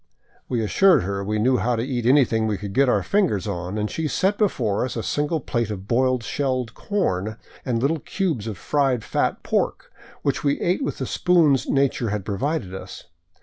We assured her we knew how to eat anything we could get our fingers on, and she set be fore us a single plate of boiled shelled corn and little cubes of fried fat pork, which we ate with the spoons nature had provided us.